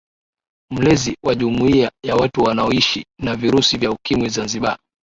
Mlezi wa Jumuiya ya Watu Wanaoishi na Virusi vya Ukimwi Zanzibar